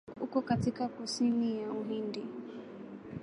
Uko katika kusini ya Uhindi.